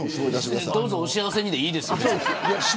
どうぞお幸せにでいいですよ。